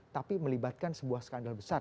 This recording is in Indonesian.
tapi melibatkan sebuah skandal besar